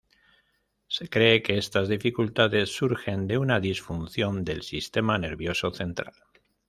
Se cree que estas dificultades surgen de una disfunción del sistema nervioso central.